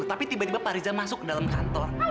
tetapi tiba tiba pak riza masuk ke dalam kantor